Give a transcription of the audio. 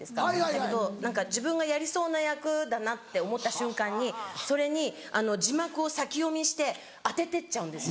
だけど自分がやりそうな役だなって思った瞬間にそれに字幕を先読みして当ててっちゃうんですよ。